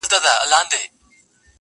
تا کي ډېر زړونه بندې دې رنتبورې